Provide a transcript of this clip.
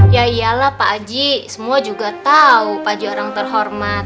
ya iyalah pakcik semua juga tau pakcik orang terhormat